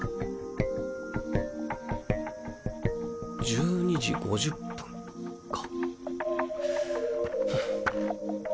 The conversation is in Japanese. １２時５０分か。